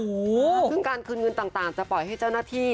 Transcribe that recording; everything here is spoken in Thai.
ซึ่งการคืนเงินต่างจะปล่อยให้เจ้าหน้าที่